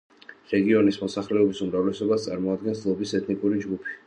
რეგიონის მოსახლეობის უმრავლესობას წარმოადგენს ლობის ეთნიკური ჯგუფი.